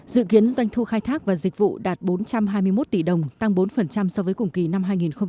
dự kiến doanh thu khai thác và dịch vụ đạt bốn trăm hai mươi một tỷ đồng tăng bốn so với cùng kỳ năm hai nghìn một mươi chín